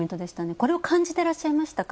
これを感じてらっしゃいましたか？